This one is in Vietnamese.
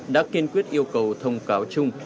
đã kiên quyết yêu cầu thông cáo chung